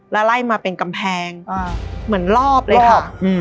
แล้วไล่มาเป็นกำแพงเหมือนรอบเลยค่ะ